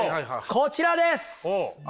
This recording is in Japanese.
こちらです！